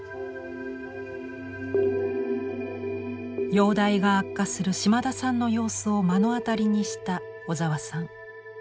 容体が悪化する島田さんの様子を目の当たりにした小沢さん。